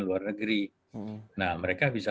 luar negeri nah mereka bisa